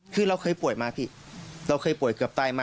คือเราเคยป่วยมาพี่เราเคยป่วยเกือบตายมา